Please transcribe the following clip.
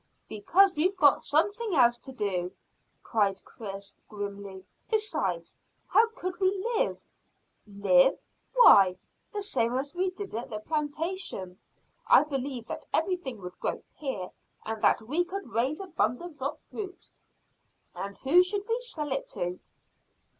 "Because we've got something else to do," said Chris grimly. "Besides, how could we live?" "Live? Why, the same as we did at the plantation. I believe that everything would grow here and that we could raise abundance of fruit." "And who should we sell it to?"